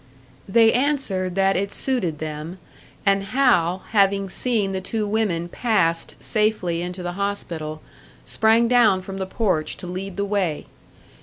They answered that it suited them; and Hal, having seen the two women passed safely into the hospital, sprang down from the porch to lead the way.